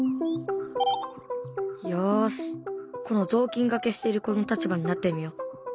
よしこの雑巾がけしている子の立場になってみよう。